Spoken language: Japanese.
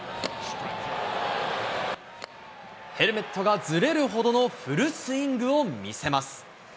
ヘルメットがずれるほどのフルスイングを見せます。